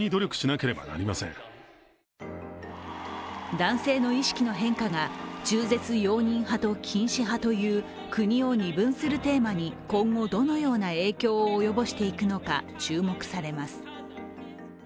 男性の意識の変化が中絶容認派と禁止派という国を二分するテーマに今後、どのような影響を及ぼしていくのか注目されます。